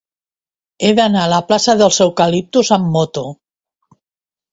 He d'anar a la plaça dels Eucaliptus amb moto.